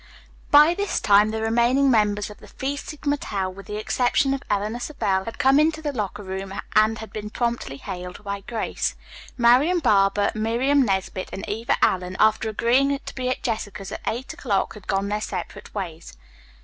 By this time the remaining members of the Phi Sigma Tau, with the exception of Eleanor Savell, had come into the locker room, and had been promptly hailed by Grace. Marian Barber, Miriam Nesbit and Eva Allen after agreeing to be at Jessica's, at eight o'clock, had gone their separate ways.